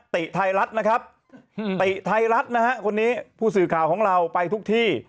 ติไทยรัฐนะครับติไทยรัฐนะฮะคนนี้ผู้สื่อข่าวของเราไปทุกที่